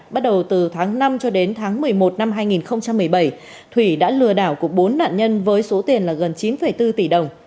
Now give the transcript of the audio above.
bắt đầu từ tháng năm cho đến tháng một mươi một năm hai nghìn một mươi bảy thủy đã lừa đảo của bốn nạn nhân với số tiền là gần chín bốn tỷ đồng